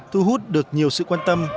thu hút được nhiều sự quan tâm